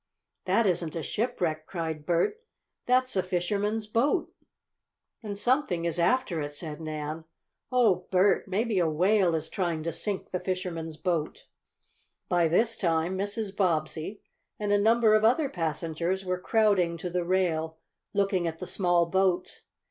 "That isn't a shipwreck!" cried Bert. "That's a fisherman's boat!" "And something is after it!" said Nan. "Oh, Bert! maybe a whale is trying to sink the fisherman's boat!" By this time Mrs. Bobbsey and a number of other passengers were crowding to the rail, looking at the small boat.